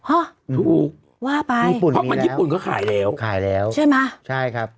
ฮะถูกว่าไปญี่ปุ่นเพราะมันญี่ปุ่นเขาขายแล้วขายแล้วใช่ไหมใช่ครับ